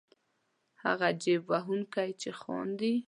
هغه جېب وهونکی چې خاندي.